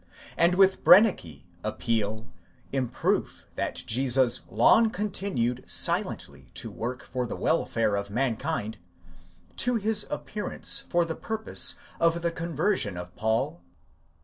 and with Brennecke appeal, in proof that Jesus long continued silently to work for the welfare of mankind, to his appearance for the purpose of the conversion of Paul?